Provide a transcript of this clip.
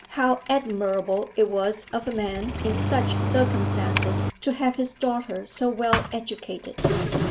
How admirable it was of a man in such circumstances to have his daughter so well educated!'